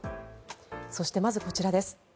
そしてまずこちらです。